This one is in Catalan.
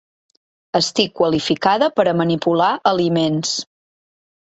Estic qualificada per a manipular aliments.